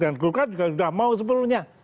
dan golkar juga sudah mau sepenuhnya